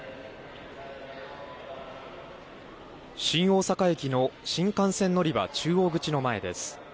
新大阪駅の新幹線乗り場中央口の前です。